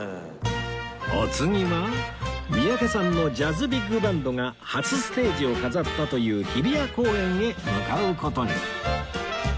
お次は三宅さんのジャズビッグバンドが初ステージを飾ったという日比谷公園へ向かう事に